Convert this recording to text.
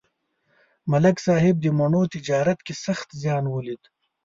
ملک صاحب د مڼو تجارت کې سخت زیان ولید